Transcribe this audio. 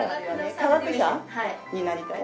科学者になりたい。